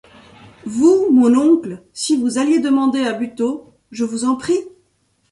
Vous, mon oncle, si vous alliez demander à Buteau, je vous en prie!